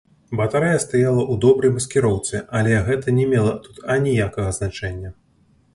Батарэя стаяла ў добрай маскіроўцы, але гэта не мела тут аніякага значэння.